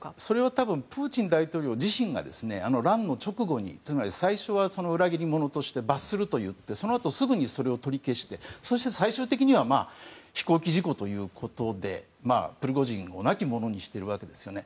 多分プーチン大統領自身が乱の直後につまり最初は裏切り者として罰すると言って、そのあとすぐにそれを取り消して最終的には飛行事故ということでプリゴジンを亡き者にしているわけですよね。